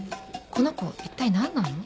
この子一体何なの？